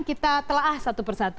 kita telah satu persatu